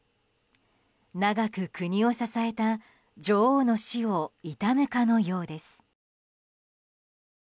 長く国を支えた女王の死を悼むかのようです。